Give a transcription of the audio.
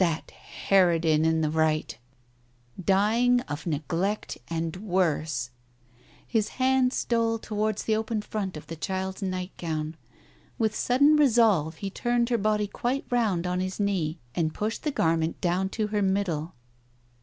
That harridan in the right ! Dying of neglect and worse ! His hand stole towards the open front of the child's nightgown. With sudden resolve he turned her body quite round on his knee, and pushed the garment down to her middle.